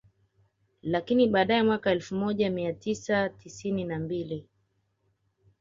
Lakini baadae mwaka elfu moja mia tisa tisini na mbili